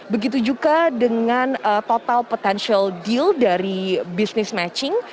begitu juga dengan total potential deal dari business matching